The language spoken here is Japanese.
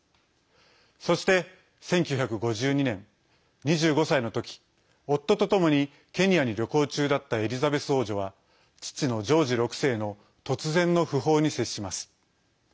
そして１９５２年、２５歳の時夫とともにケニアに旅行中だったエリザベス王女は父のジョージ６世の突然の訃報に接します。